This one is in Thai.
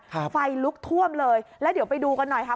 ไฟลุกท่วมเลยแล้วเดี๋ยวไปดูกันหน่อยค่ะ